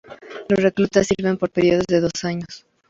Los reclutas sirven por periodos de dos años.